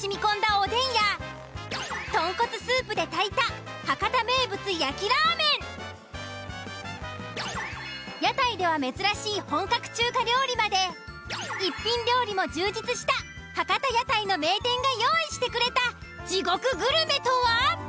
おでんや豚骨スープで炊いた博多名物屋台では珍しい本格中華料理まで一品料理も充実した博多屋台の名店が用意してくれた地獄グルメとは。